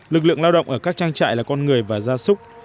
lực lượng lao động ở các trang trại là con người và gia súc